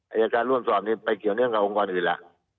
อายการร่วมสอบนี้ไปเกี่ยวเนื่องกับองค์กรอื่นล่ะ